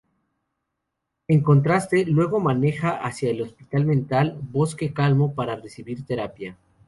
En contraste, luego, maneja hacia el Hospital Mental "Bosque Calmo" para recibir terapia.